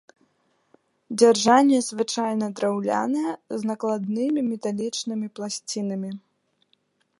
Дзяржанне звычайна драўлянае з накладнымі металічнымі пласцінамі.